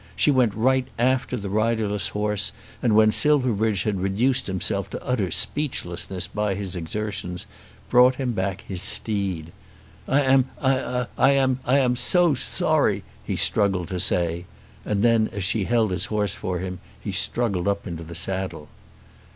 She went straight after the riderless horse, and when Silverbridge had reduced himself to utter speechlessness by his exertions, brought him back his steed. "I am, I am, I am so sorry," he struggled to say, and then as she held his horse for him he struggled up into the saddle.